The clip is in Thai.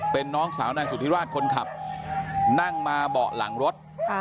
เป็นน้องสาวนายสุธิราชคนขับนั่งมาเบาะหลังรถ